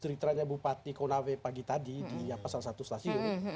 ceritanya bupati konawe pagi tadi di pasar satu selasih ini